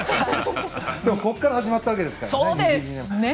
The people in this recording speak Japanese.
ここから始まったわけですからね。